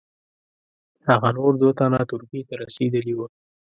هغه نور دوه تنه ترکیې ته رسېدلي وه.